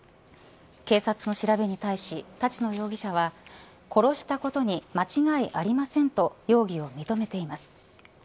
警察の調べに対し、立野容疑者は殺したことに間違いありませんと容疑を認めています。